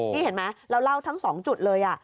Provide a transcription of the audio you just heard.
นี่เห็นไหมเราเล่าทั้ง๒จุดเลย